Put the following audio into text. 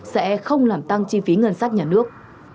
sẽ không làm tăng chi phí ngân sách nhà nước